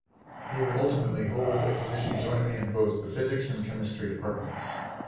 He would ultimately hold a position jointly in both the physics and chemistry departments.